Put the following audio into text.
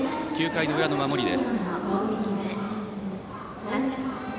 ９回の裏の守りです。